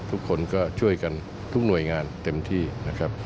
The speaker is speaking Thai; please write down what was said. ทุกคนก็ช่วยกันทุกหน่วยงานเต็มที่นะครับ